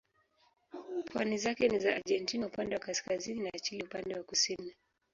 Pwani zake ni za Argentina upande wa kaskazini na Chile upande wa kusini.